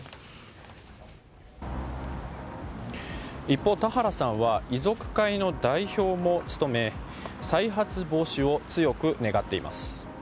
一方、田原さんは遺族会の代表も務め再発防止を強く願っています。